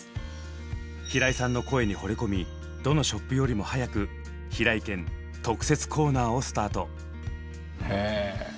平井さんの声にほれ込みどのショップよりも早く平井堅特設コーナーをスタート。